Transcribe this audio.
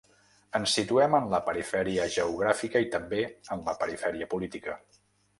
Ens situem en la perifèria geogràfica i també en la perifèria política.